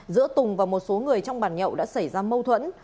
giữa tùng và một số người trong bàn nhậu đã xảy ra mâu thuẫn